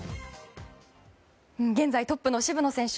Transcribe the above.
現在トップの渋野選手